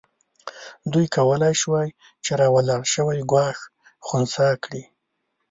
دوی کولای شوای چې راولاړ شوی ګواښ خنثی کړي.